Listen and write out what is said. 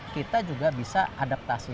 kita juga bisa adaptasi